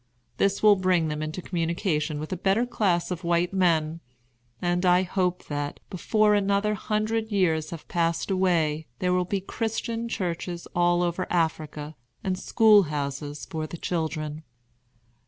This will bring them into communication with a better class of white men; and I hope that, before another hundred years have passed away, there will be Christian churches all over Africa, and school houses for the children.